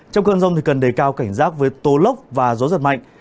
trong cơn rông cần đề cao cảnh giác với tô lốc và gió giật mạnh